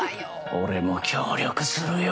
俺も協力するよ。